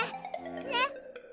ねっ！